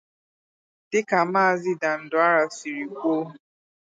Dịka maazị Danduara siri kwuo